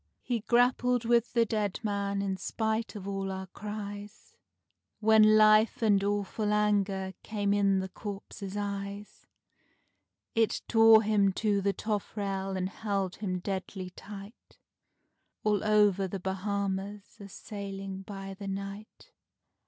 He grappled with the dead man in spite of all our cries, When life and awful anger came in the corpse's eyes; It tore him to the toffrail and held him deadly tight, All over the Bahama Isles a sailing by the night.